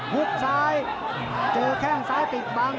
ฮุกซ้ายเจอแข้งซ้ายปิดบัง